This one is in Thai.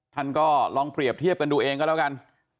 ท่านก็ลองเปรียบเทียบกันดูเองก็แล้วกัน